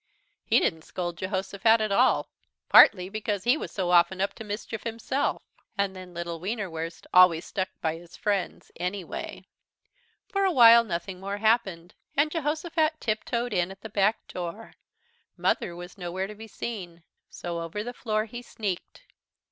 He didn't scold Jehosophat at all, partly because he was so often up to mischief himself. And then little Wienerwurst always stuck by his friends anyway. For a while nothing more happened, and Jehosophat tiptoed in at the back door. Mother was nowhere to be seen, so over the floor he sneaked.